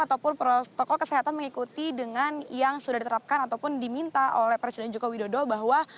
ataupun protokol kesehatan mengikuti dengan yang sudah diterapkan ataupun diminta oleh presiden joko widodo bahwa